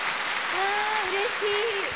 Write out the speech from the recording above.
わあうれしい！